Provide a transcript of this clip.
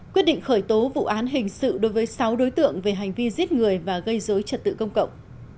quyết định khởi tố vụ án hình sự đối với sáu đối tượng về hành vi giết người và gây dối trật tự công cộng